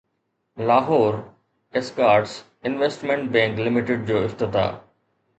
Lahore Escorts investment bank limited جو افتتاح